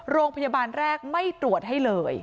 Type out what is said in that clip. โรงพยาบาลแรกไม่ตรวจให้เลย